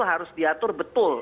harus diatur betul